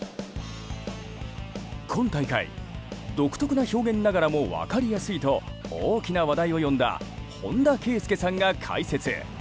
今大会、独特な表現ながらも分かりやすいと大きな話題を呼んだ本田圭佑さんが解説。